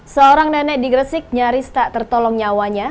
seorang nenek di gresik nyaris tak tertolong nyawanya